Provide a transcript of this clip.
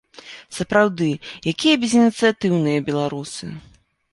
Сапраўды, якія безыніцыятыўныя беларусы!